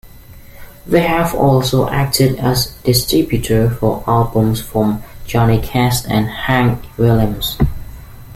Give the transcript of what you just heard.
They have also acted as distributor for albums from Johnny Cash and Hank Williams.